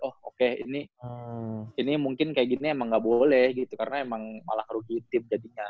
oh oke ini ini mungkin kayak gini emang nggak boleh gitu karena emang malah kerugi tip jadinya